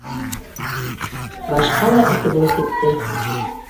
Башҡа ла эҫе булып китте.